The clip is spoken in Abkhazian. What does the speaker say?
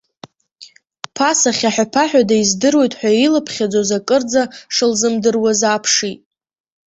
Ԥаса, хьаҳәа-ԥаҳәада издыруеит ҳәа илыԥхьаӡоз акырӡа шылзымдыруаз ааԥшит.